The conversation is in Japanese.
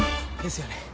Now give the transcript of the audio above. ですよね？